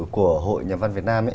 của hội nhà văn việt nam